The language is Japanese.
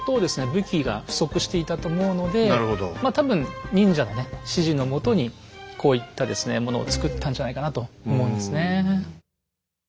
武器が不足していたと思うのでまあ多分忍者のね指示の下にこういったですねものを作ったんじゃないかなと思うんですね。